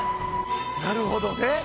なるほどね！